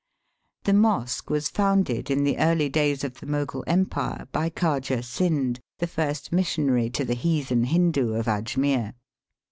The mosque was founded in the early days of the Mogul Empire, by Khaja Synd, the first missionary to the heathen Hindoo of Ajmere.